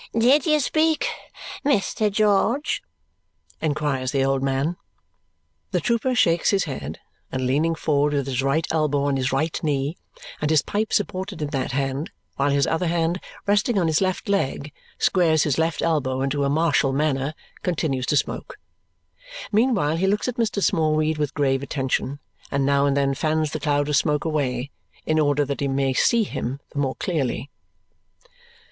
"Did you speak, Mr. George?" inquires the old man. The trooper shakes his head, and leaning forward with his right elbow on his right knee and his pipe supported in that hand, while his other hand, resting on his left leg, squares his left elbow in a martial manner, continues to smoke. Meanwhile he looks at Mr. Smallweed with grave attention and now and then fans the cloud of smoke away in order that he may see him the more clearly.